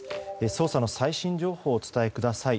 捜査の最新情報を伝えてください。